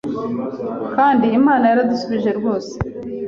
Kandi Imana yaradusubije rwose.